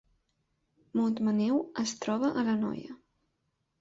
Montmaneu es troba a l’Anoia